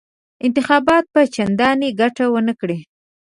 انتخابات به چنداني ګټه ونه کړي.